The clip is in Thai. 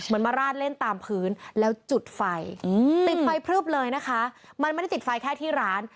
มาราดเล่นตามพื้นแล้วจุดไฟติดไฟพลึบเลยนะคะมันไม่ได้ติดไฟแค่ที่ร้าน